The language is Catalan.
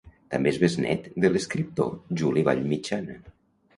També és besnét de l'escriptor Juli Vallmitjana.